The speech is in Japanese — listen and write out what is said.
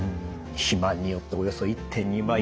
肥満によっておよそ１．２倍。